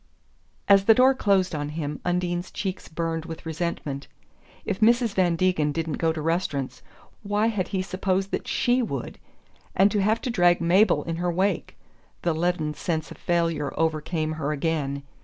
As the door closed on him Undine's cheeks burned with resentment. If Mrs. Van Degen didn't go to restaurants, why had he supposed that SHE would? and to have to drag Mabel in her wake! The leaden sense of failure overcame her again.